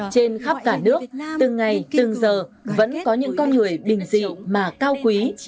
trên khắp cả nước từng ngày từng giờ vẫn có những con người bình dị mà cao quý